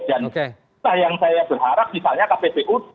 dan yang saya berharap misalnya kppu